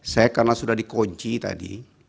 saya karena sudah dikunci tadi